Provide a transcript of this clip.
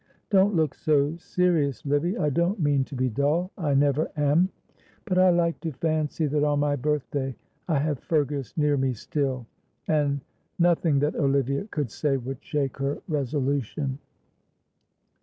Don't look so serious, Livy, I don't mean to be dull, I never am, but I like to fancy that on my birthday I have Fergus near me still," and nothing that Olivia could say would shake her resolution.